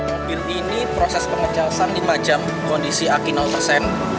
mobil ini proses pengecasan lima jam kondisi akinal persen